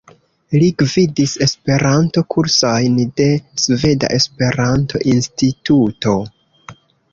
Li gvidis Esperanto-kursojn de Sveda Esperanto-Instituto.